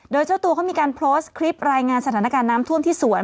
โดยเจ้าตัวเขามีการโพสต์คลิปรายงานสถานการณ์น้ำท่วมที่สวน